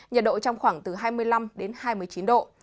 nhiệt độ trong khoảng từ hai mươi năm đến hai mươi chín độ